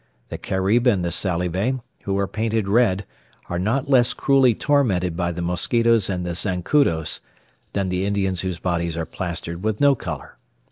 The Carib and the Salive, who are painted red, are not less cruelly tormented by the mosquitos and the zancudos, than the Indians whose bodies are plastered with no colour.